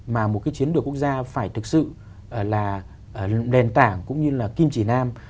mà một cái chiến lược quốc gia phải thực sự là đền tảng cũng như là kim chỉ nam